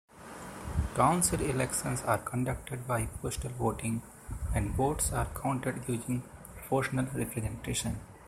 Council elections are conducted by postal voting and votes are counted using proportional representation.